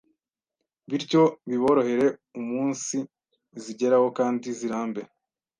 bityo biborohere umunsizigeraho kandi zirambe,